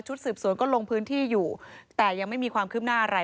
สืบสวนก็ลงพื้นที่อยู่แต่ยังไม่มีความคืบหน้าอะไร